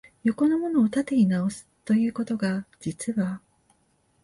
横のものを縦に直す、ということが、実は、